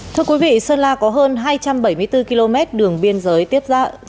thưa quý vị sơn la có hơn hai trăm bảy mươi bốn km đường biên giới tiếp ra